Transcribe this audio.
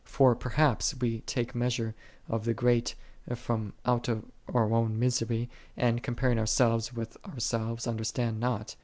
For perhaps we take measure of the great from out our own misery, and, comparing ourselves with ourselves, understand not.